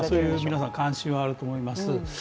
皆さん関心はあると思います。